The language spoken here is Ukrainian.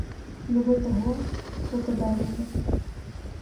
Люби того, хто тебе любе.